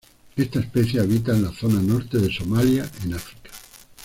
Esta especie habita en la zona norte de Somalía en África.